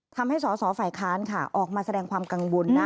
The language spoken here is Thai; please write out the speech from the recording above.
ทำให้สมศาลฝ่ายค้านออกมาแสดงความกังวล